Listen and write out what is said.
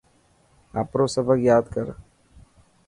آڦرو سبق ياد ڪر.